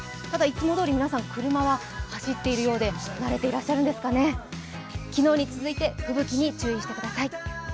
ただ、いつもどおり皆さん車は走っているようで慣れていらっしゃるんですかね、昨日に続いて吹雪に注意してください。